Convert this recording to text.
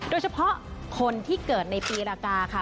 โดยเฉพาะคนที่เกิดในปีรากาค่ะ